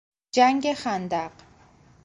جنگ خندق